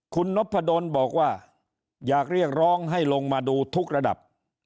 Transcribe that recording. คุณนพดลบอกว่าอยากเรียกร้องให้ลงมาดูทุกระดับ